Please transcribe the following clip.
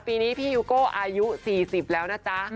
ปีนี้พี่ฮิวโก้อายุ๔๐แล้วนะจ๊ะ